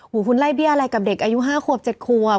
คุณไล่เบี้ยอะไรกับเด็กอายุ๕ขวบ๗ขวบ